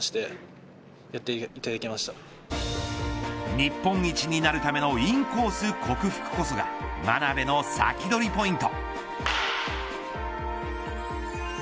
日本一になるためのインコース克服こそが真鍋のサキドリポイント。